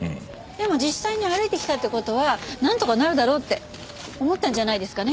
でも実際に歩いてきたって事はなんとかなるだろうって思ったんじゃないですかね。